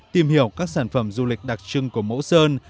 tìm hiểu các sản phẩm du lịch đặc trưng của mẫu sơn